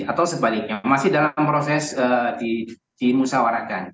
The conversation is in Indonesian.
atau sebaliknya masih dalam proses di musawarakan